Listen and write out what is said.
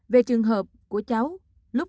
về trường hợp của cháu